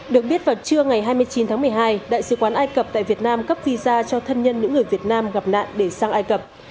được biết vào trưa ngày hai mươi chín tháng một mươi hai đại sứ quán ai cập tại việt nam cấp visa cho thân nhân những người việt nam gặp nạn để sang ai cập